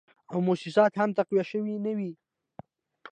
او موسسات هم تقویه شوي نه وې